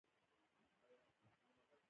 خپل قدرت ته خطر پېښاوه.